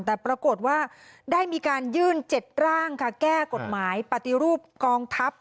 แต่ปรากฏว่าได้มีการยื่น๗ร่างค่ะแก้กฎหมายปฏิรูปกองทัพ